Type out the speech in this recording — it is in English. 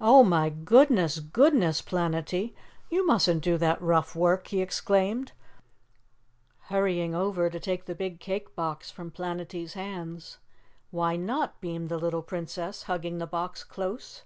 "Oh, my goodness, goodness, Planetty! You mustn't do that rough work," he exclaimed, hurrying over to take the big cake box from Planetty's hands. "Why not?" beamed the little Princess, hugging the box close.